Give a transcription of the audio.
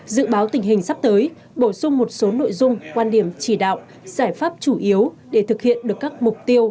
dự báo tình hình sắp tới bổ sung một số nội dung quan điểm chỉ đạo giải pháp chủ yếu để thực hiện được các mục tiêu